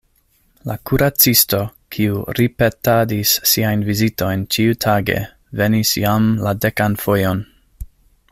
La kuracisto, kiu ripetadis siajn vizitojn ĉiutage, venis jam la dekan fojon.